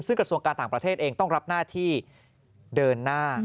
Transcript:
ซึ่งกระทรวงการต่างประเทศเองต้องรับหน้าที่เดินหน้า